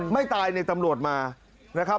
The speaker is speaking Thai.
ไม่ตายในตำรวจมานะครับ